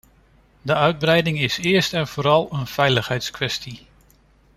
De uitbreiding is eerst en vooral een veiligheidskwestie.